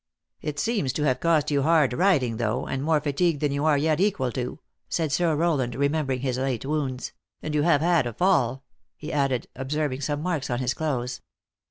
" It seems to have cost you hard riding though, and more fatigue than you are yet equal to," said Sir Row land, remembering his late wounds. "And you have had a fall," he added, observing some marks on his clothes.